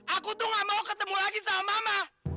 aku tuh gak mau ketemu lagi sama mama